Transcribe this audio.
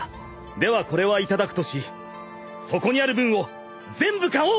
ではこれは頂くとしそこにある分を全部買おう！